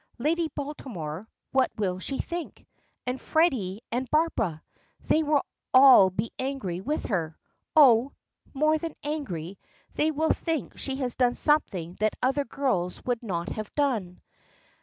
Lady Baltimore, what will she think? And Freddy and Barbara! They will all be angry with her! Oh! more than angry they will think she has done something that other girls would not have done.